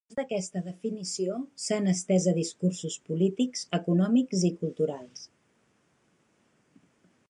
Les aplicacions d'aquesta definició s'han estès a discursos polítics, econòmics i culturals.